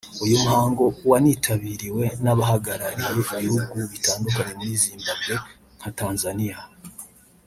uyu muhango wanitabiriwe n’abahagarariye ibihugu bitandukanye muri Zimbabwe nka Tanzania